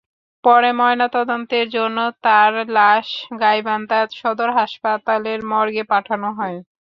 পরে ময়নাতদন্তের জন্য তার লাশ গাইবান্ধা সদর হাসপাতালের মর্গে পাঠানো হয়।